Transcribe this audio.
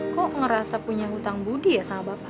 kok ngerasa punya hutang budi ya sama bapak